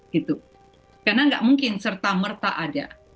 karena tidak mungkin serta merta ada